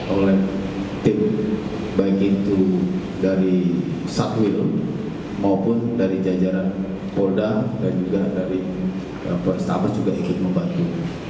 oleh tim baik itu dari satwil maupun dari jajaran polda dan juga dari polrestabes juga ikut membantu